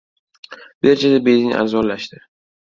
Birjada benzin arzonlashdi